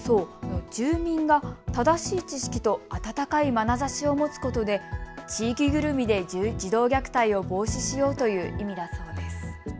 住民が正しい知識と温かいまなざしを持つことで地域ぐるみで児童虐待を防止しようという意味だそうです。